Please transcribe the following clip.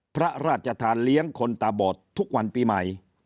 พระราชทานเลี้ยงคนตาบอดทุกวันปีใหม่